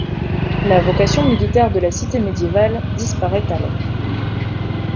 La vocation militaire de la cité médiévale disparaît alors.